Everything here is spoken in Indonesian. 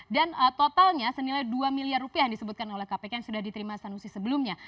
dan totalnya senilai dua miliar rupiah yang disebutkan oleh kpk yang sudah diterima sanusi sebelumnya